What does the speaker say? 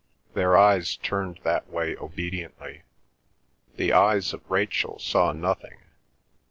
Their eyes turned that way obediently. The eyes of Rachel saw nothing.